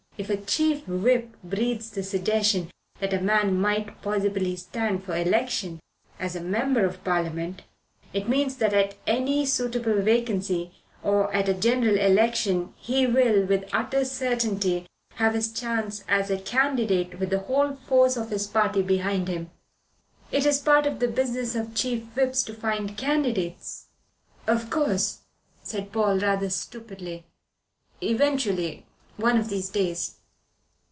If a Chief Whip breathes the suggestion that a man might possibly stand for election as a Member of Parliament, it means that at any suitable vacancy, or at a general election, he will, with utter certainty, have his chance as a candidate with the whole force of his party behind him. It is part of the business of Chief Whips to find candidates. "Of course," said Paul, rather stupidly. "Eventually. One of these days."